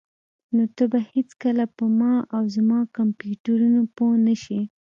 نو ته به هیڅکله په ما او زما کمپیوټرونو پوه نشې